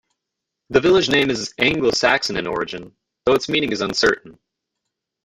The village name is Anglo Saxon in origin, though its meaning is uncertain.